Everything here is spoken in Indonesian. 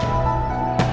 terima kasih banyak ya pak